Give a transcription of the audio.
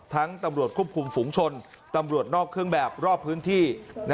ตำรวจควบคุมฝุงชนตำรวจนอกเครื่องแบบรอบพื้นที่